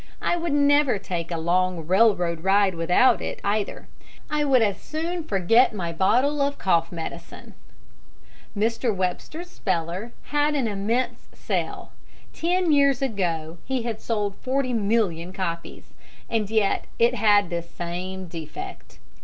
I would never take a long railroad ride without it, eyether. I would as soon forget my bottle of cough medicine. Mr. Webster's Speller had an immense sale. Ten years ago he had sold forty million copies. And yet it had this same defect.